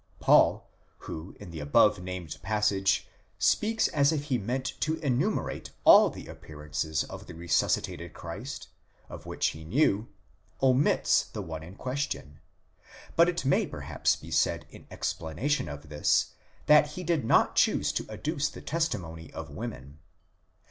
Paul, who in the above named passage speaks as if he meant to enumerate all the appearances of the resuscitated Christ, of which he knew, omits the one in question ; but it may perhaps be said in explanation of this, that he did not choose to adduce the testimony of women.